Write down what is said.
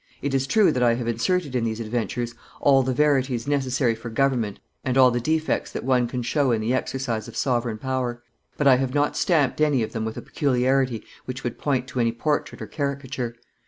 It is true that I have inserted in these adventures all the verities necessary for government and all the defects that one can show in the exercise of sovereign power; but I have not stamped any of them with a peculiarity which would point to any portrait or caricature.